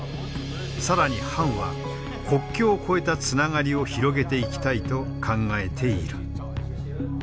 更に潘は国境を越えたつながりを広げていきたいと考えている。